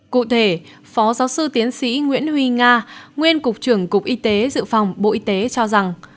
cụ thể phó giáo sư tiến sĩ nguyễn huy nga nguyên cục trưởng cục y tế dự phòng bộ y tế cho rằng